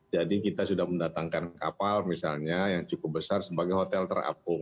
jadi kita sudah mendatangkan kapal misalnya yang cukup besar sebagai hotel terapung